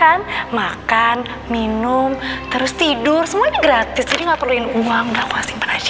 iya kan makan minum terus tidur semuanya gratis jadi gak perluin uang udah aku asingin aja ya